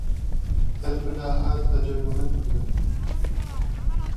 هەر بینا هات ئەجەل و من مردم